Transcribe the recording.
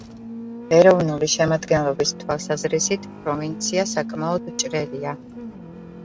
ეროვნული შემადგენლობის თვალსაზრისით, პროვინცია საკმაოდ ჭრელია.